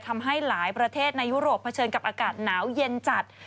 ทำให้หลายประเทศในยุโรปเผชิญกับอากาศหนาวเย็นจัด